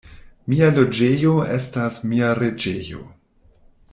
Mia loĝejo estas mia reĝejo.